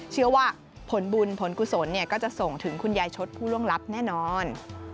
เชื่อว่าผลบุญผลกุศลก็จะส่งถึงคุณยายชดผู้ล่วงลับแน่นอน